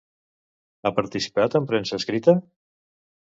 Ha participat en premsa escrita?